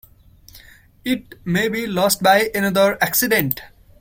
It may be lost by another accident.